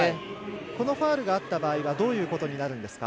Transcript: このファウルがあった場合はどういうことに？